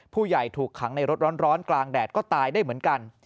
ผู้ใหญ่ถูกขังในรถร้อนกลางแดดก็ตายได้เหมือนกัน